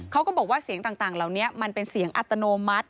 เขาก็บอกว่าเสียงต่างเหล่านี้มันเป็นเสียงอัตโนมัติ